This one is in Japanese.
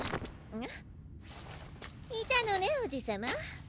いたのねおじさま。